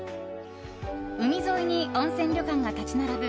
海沿いに温泉旅館が立ち並ぶ